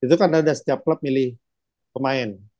itu kan ada setiap klub milih pemain